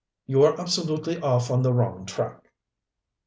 You are absolutely off on the wrong track."